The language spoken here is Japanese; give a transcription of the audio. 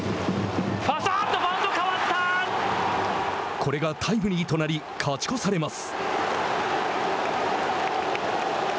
これがタイムリーとなり勝ち越されます。